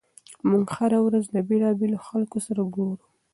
موږ هره ورځ له بېلابېلو خلکو سره ګورو.